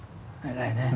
偉いね。